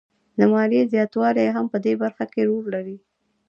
د ماليې زیاتوالی هم په دې برخه کې رول لري